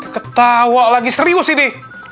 ketawa lagi serius ini